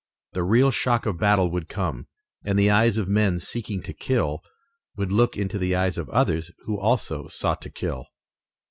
The real shock of battle would come, and the eyes of men seeking to kill would look into the eyes of others who also sought to kill.